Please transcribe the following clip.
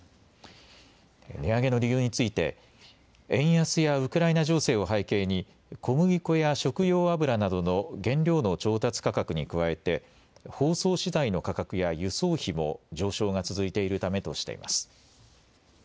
値上げの理由について円安やウクライナ情勢を背景に小麦粉や食用油などの原料の調達価格に加えて包装資材の価格や輸送費も上昇が続いているためとしています。